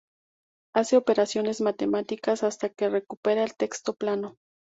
hace operaciones matemáticas hasta que recupera el texto plano.